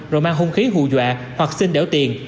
rồi mang hung khí hù dọa hoặc xin đẻo tiền